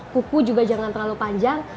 kuku juga jangan terlalu panjang